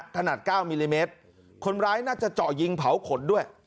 ขนาด๙มิลลิเมตรคนร้ายน่าจะเจาะยิงเผาขนด้วย